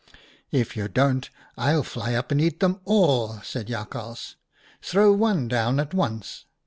"' If you don't, I'll fly up and eat them all/ said Jakhals. ' Throw one down at once.'